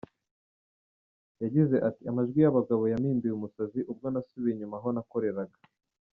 Yagize ati “Amajwi y’abagabo yampinduye umusazi, ubwo nasubiye inyuma aho nakoreraga”.